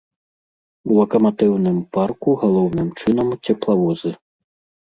У лакаматыўным парку галоўным чынам цеплавозы.